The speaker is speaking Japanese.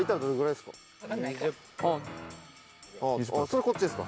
それこっちですか？